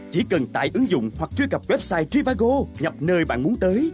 chỉ cần tải ứng dụng hoặc truy cập website tribao nhập nơi bạn muốn tới